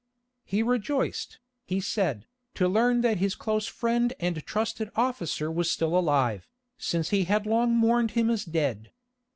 He rejoiced, he said, to learn that his close friend and trusted officer was still alive, since he had long mourned him as dead.